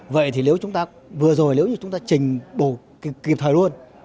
vậy thì nếu chúng ta vừa rồi nếu như chúng ta trình bộ kịp thời luôn